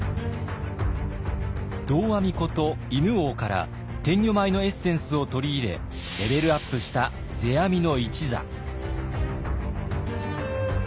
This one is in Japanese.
道阿弥こと犬王から天女舞のエッセンスを取り入れレベルアップした世阿弥の一座。